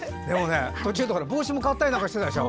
途中で帽子も変わったりしてたでしょ。